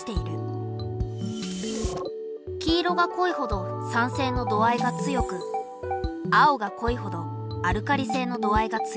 黄色がこいほど酸性の度合いが強く青がこいほどアルカリ性の度合いが強い。